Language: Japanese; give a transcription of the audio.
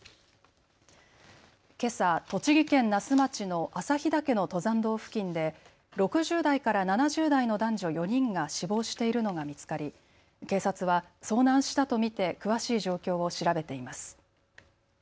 けさ栃木県那須町の朝日岳の登山道付近で６０代から７０代の男女４人が死亡しているのが見つかり警察は遭難したと見て詳しい状況を調べています。